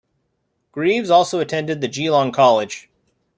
Greeves also attended The Geelong College.